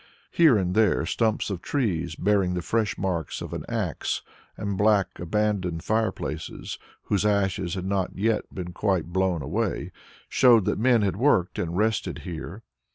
Here and there stumps of trees bearing the fresh marks of an axe, and black abandoned fire places whose ashes had not yet been quite blown away, showed that men had worked and rested here.